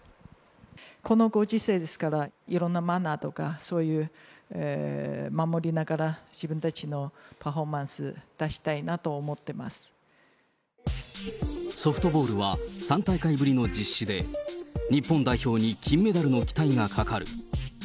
このご時世ですから、いろんなマナーとか、そういう守りながら自分たちのパフォーマンス出したいなと思ってソフトボールは３大会ぶりの実施で、日本代表に金メダルの期待がかかる。